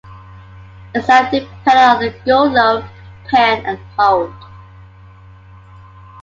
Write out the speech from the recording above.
Its life depended on "Go Low, Pin and Hold".